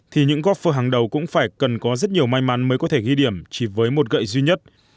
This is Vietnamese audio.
thì những gofer hàng đầu cũng phải cần có rất nhiều may mắn mới có thể ghi điểm chỉ với một gậy duy nhất